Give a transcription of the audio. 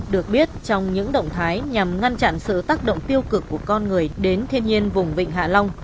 được biết trong những động thái nhằm ngăn chặn sự tác động tiêu cực của con người đến thiên nhiên vùng vịnh hạ long